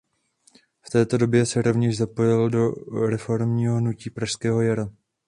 V této době se rovněž zapojil do reformního hnutí pražského jara.